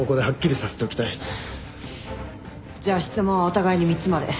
じゃあ質問はお互いに３つまで。